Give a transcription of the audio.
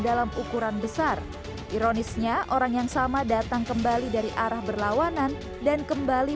dalam ukuran besar ironisnya orang yang sama datang kembali dari arah berlawanan dan kembali